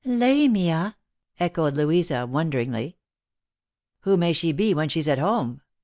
" Lamia !" echoed Louisa wonderingly. " "Who may she be when she's at home